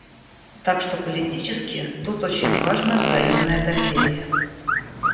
Так что политически тут очень важно взаимное доверие.